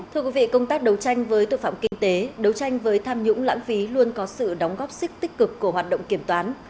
thưa quý vị công tác đấu tranh với tội phạm kinh tế đấu tranh với tham nhũng lãng phí luôn có sự đóng góp sức tích cực của hoạt động kiểm toán